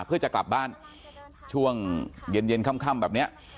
เพื่อจะกลับบ้านช่วงเย็นเย็นค่ำแบบนี้